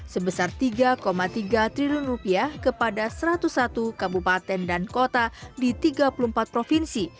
sebesar rp tiga tiga triliun kepada satu ratus satu kabupaten dan kota di tiga puluh empat provinsi